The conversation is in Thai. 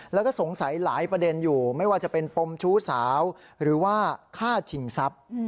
แล้วก็สงสัยหลายประเด็นอยู่ไม่ว่าจะเป็นปมชู้สาวหรือว่าฆ่าชิงทรัพย์